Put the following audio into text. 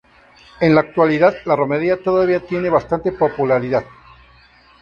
En la actualidad la romería todavía tiene bastante popularidad.